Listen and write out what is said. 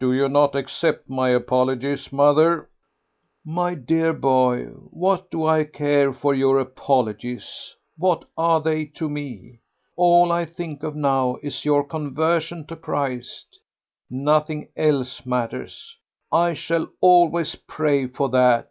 "Do you not accept my apologies, mother?" "My dear boy, what do I care for your apologies; what are they to me? All I think of now is your conversion to Christ. Nothing else matters. I shall always pray for that."